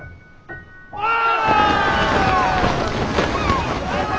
ああ。